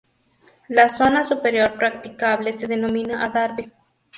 La zona superior, practicable, se denomina adarve.